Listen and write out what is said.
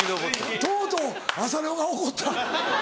とうとう浅野が怒った。